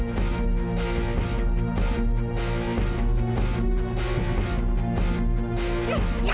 udah lepasin aja tasnya